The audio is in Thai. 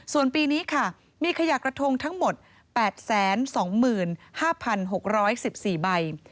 ส่วนปีนี้ค่ะมีขยะกระทงทั้งหมด๘๒๕๖๑๔ใบ